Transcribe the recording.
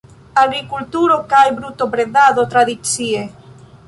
Agrikulturo kaj brutobredado tradicie.